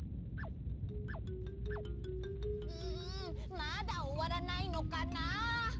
んまだおわらないのかな？